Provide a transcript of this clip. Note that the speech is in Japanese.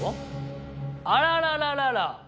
あららららら！